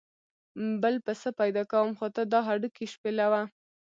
بل پسه پیدا کوم خو ته دا هډوکي شپېلوه.